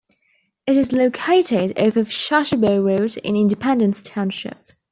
It is located off of Sashabaw Road in Independence Township.